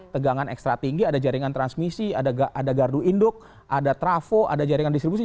tegangan ekstra tinggi ada jaringan transmisi ada gardu induk ada trafo ada jaringan distribusi